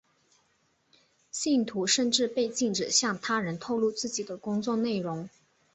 信徒甚至被禁止向他人透露自己的工作内容。